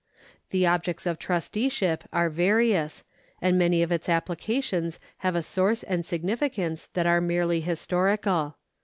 The objects of trusteeship are various, and many of its applications have a source and significance that are merely historical.